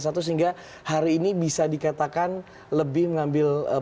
sehingga hari ini bisa dikatakan lebih mengambil